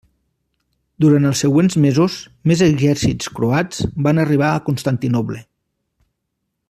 Durant els següents mesos més exèrcits croats van arribar a Constantinoble.